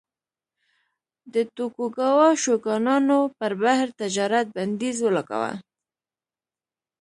د توکوګاوا شوګانانو پر بهر تجارت بندیز ولګاوه.